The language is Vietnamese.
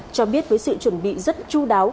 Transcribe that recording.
cho biết với sự chuẩn bị rất chú đáo